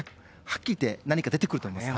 はっきり言って何か出てくると思います。